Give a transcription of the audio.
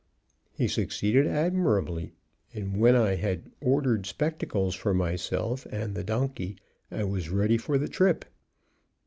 He succeeded admirably, and when I had ordered spectacles for myself and the donkey, I was ready for the trip.